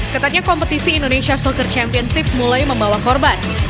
ketatnya kompetisi indonesia soccer championship mulai membawa korban